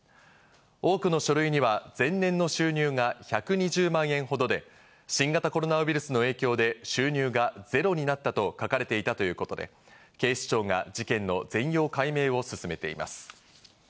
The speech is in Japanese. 多くの書類には前年の収入が１２０万円ほどで新型コロナウイルスの影響で収入がゼロになったと書かれていたということで、警視庁が事件の全容解明を進めています。